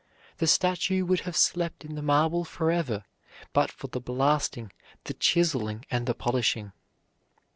The statue would have slept in the marble forever but for the blasting, the chiseling, and the polishing.